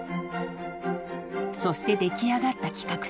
［そして出来上がった企画書］